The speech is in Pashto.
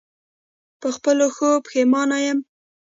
په خپلو ښو پښېمانه یم.